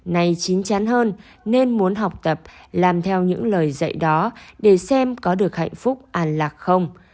nay chín chán hơn nên muốn học tập làm theo những lời dạy đó để xem có được hạnh phúc an lạc không